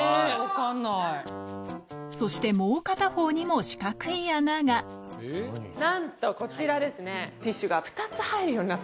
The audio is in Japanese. そしてもう片方にも四角い穴がなんとこちらですね。